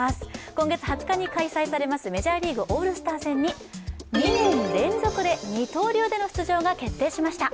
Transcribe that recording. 今月２０日に開催されますメジャーリーグオールスター戦に２年連続で二刀流での出場が決定しました。